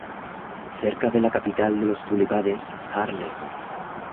Cerca de la capital de los tulipanes, Haarlem.